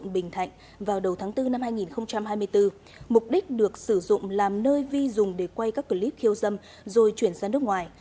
bình thạnh vào đầu tháng bốn năm hai nghìn hai mươi bốn mục đích được sử dụng làm nơi vi dùng để quay các clip khiêu dâm rồi chuyển ra nước ngoài